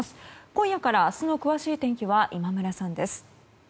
今夜から明日の詳しい天気は今村さんです。